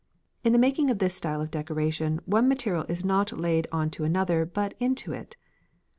In the making of this style of decoration one material is not laid on to another, but into it.